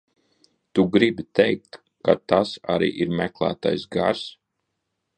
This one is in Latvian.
Tu gribi teikt, ka tas arī ir meklētais gars?